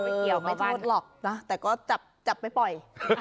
เกี่ยวไม่โทษหรอกนะแต่ก็จับไปปล่อย